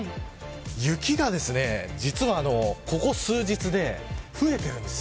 雪がここ数日で増えているんです。